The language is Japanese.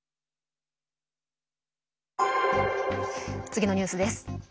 次のニュースです。